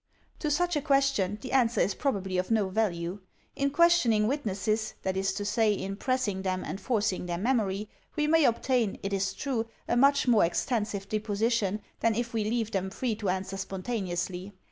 To such a question the answer is probably of no value. In questioning witnesses — that is to say, in pressing them and forcing their memory — we may obtain, it is true, a much more extensive deposition than if we leave them free to answer spontaneously.